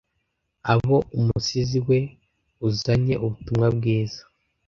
abo umusizi we uzanye ubutumwa bwiza